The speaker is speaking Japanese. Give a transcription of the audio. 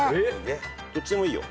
どっちでもいいよ。